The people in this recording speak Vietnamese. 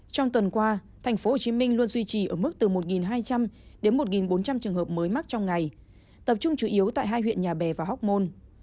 trong tuần qua tp hcm luôn duy trì ở mức từ một hai trăm linh đến một bốn trăm linh trường hợp mới mắc trong ngày tập trung chủ yếu tại hai huyện nhà bè và hóc môn